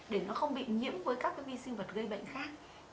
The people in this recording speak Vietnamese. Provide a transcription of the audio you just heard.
để nó không bị nhiễm với các vi sinh vật gây bệnh khác